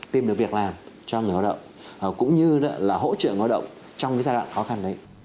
tìm được việc làm cho người lao động cũng như là hỗ trợ lao động trong cái giai đoạn khó khăn đấy